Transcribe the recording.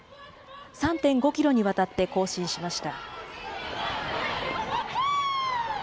３．５キロにわたって行進しました。